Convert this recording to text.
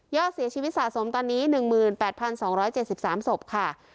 ยอดเสียชีวิตสะสมตอนนี้หนึ่งหมื่นแปดพันสองร้อยเจ็ดสิบสามสบค่ะ